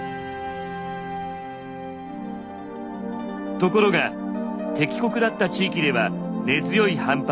ところが敵国だった地域では根強い反発に直面。